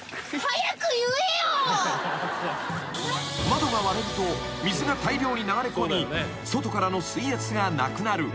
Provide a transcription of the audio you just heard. ［窓が割れると水が大量に流れ込み外からの水圧がなくなる］